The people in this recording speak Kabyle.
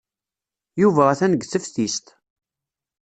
Yuba atan deg teftist.